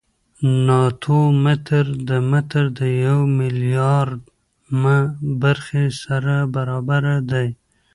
ناتو متر د متر د یو میلیاردمه برخې سره برابر دی.